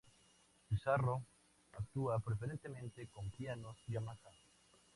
Pizarro actúa preferentemente con pianos Yamaha.